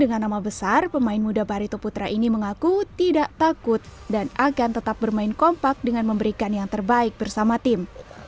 dengan nama besar pemain muda barito putra ini mengaku tidak takut dan akan tetap bermain kompak dengan memberikan yang terbaik bersama tim